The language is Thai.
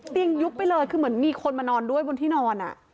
ยุบไปเลยคือเหมือนมีคนมานอนด้วยบนที่นอน